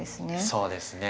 そうですね。